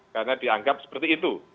karena dianggap seperti itu